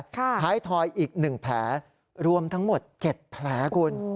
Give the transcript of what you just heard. ท้ายทอยอีก๑แผลรวมทั้งหมด๗แผลคุณ